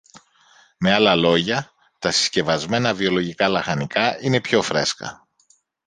Με άλλα λόγια, τα συσκευασμένα βιολογικά λαχανικά είναι πιο φρέσκα